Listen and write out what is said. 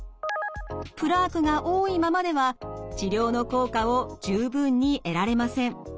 プラークが多いままでは治療の効果を十分に得られません。